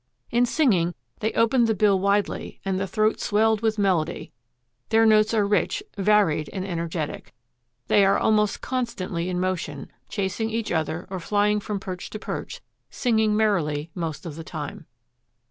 In singing they opened the bill widely and the throat swelled with melody. Their notes are rich, varied and energetic. They are almost constantly in motion, chasing each other or flying from perch to perch, singing merrily most of the time."